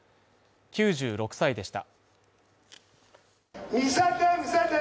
９６歳でした。